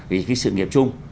vì cái sự nghiệp chung